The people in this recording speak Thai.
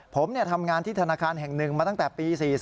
ผมทำงานที่ธนาคารแห่งหนึ่งมาตั้งแต่ปี๔๔